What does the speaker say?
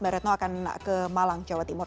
baratno akan ke malang jawa timur